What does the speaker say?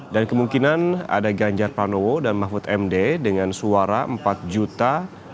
dan kemungkinan ada ganjar pranowo dan mahfud md dengan suara empat empat ratus tiga puluh empat delapan ratus lima suara